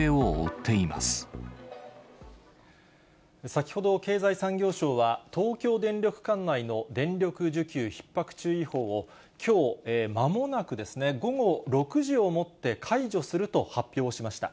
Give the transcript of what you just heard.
先ほど、経済産業省は東京電力管内の電力需給ひっ迫注意報を、きょうまもなく午後６時をもって解除すると発表しました。